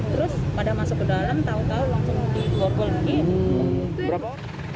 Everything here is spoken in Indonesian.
terus pada masuk ke dalam tau tau langsung dibor bor lagi